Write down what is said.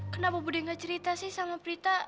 kenapa budi gak cerita sih sama prita